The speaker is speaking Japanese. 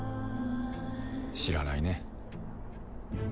知らないね。